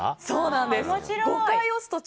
そうなんです。